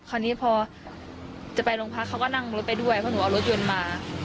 คราวนี้พอจะไปโรงพักเขาก็นั่งรถไปด้วยเพราะหนูเอารถยนต์มา